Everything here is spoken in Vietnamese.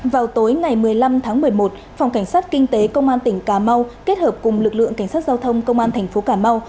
vào tối ngày một mươi năm tháng một mươi một phòng cảnh sát kinh tế công an tỉnh cà mau kết hợp cùng lực lượng cảnh sát giao thông công an thành phố cà mau